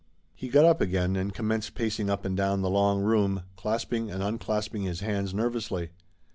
He got up again and commenced pacing up and down the long room, clasping and unclasping his hands nervously.